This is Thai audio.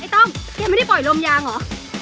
เฮ้ยไอ้ต้องเคยไม่ได้ปล่อยลมยางเหรอ